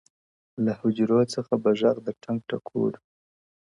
له حجرو څخه به ږغ د ټنګ ټکور وي!!